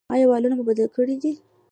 ایا والونه مو بدل کړي دي؟